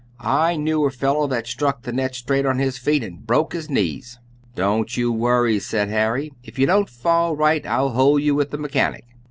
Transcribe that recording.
"I knew a feller that struck the net straight on his feet and broke his knees." "Don't you worry," said Harry; "if you don't fall right, I'll hold you with the 'mechanic.'"